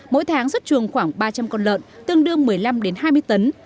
mỗi tháng xuất trường khoảng ba trăm linh con lợn tương đương một mươi năm hai mươi tấn